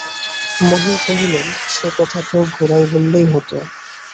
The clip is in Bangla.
মহিম কহিলেন, সে কথা তো গোড়ায় বললেই হত।